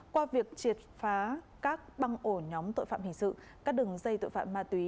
qua việc triệt phá các băng ổ nhóm tội phạm hình sự các đường dây tội phạm ma túy